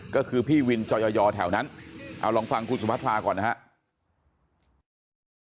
ก็คือพี่วินจอยอแถวนั้นเอาลองฟังคุณสุพัทราก่อนนะครับ